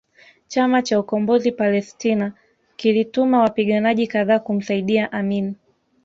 Chama cha Ukombozi Palestina kilituma wapiganaji kadhaa kumsaidia Amin